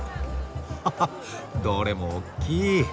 ははっどれもおっきい。